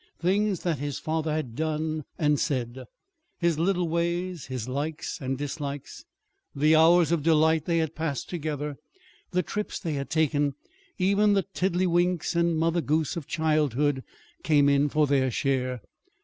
Things that his father had done and said, his little ways, his likes and dislikes, the hours of delight they had passed together, the trips they had taken, even the tiddledywinks and Mother Goose of childhood came in for their share.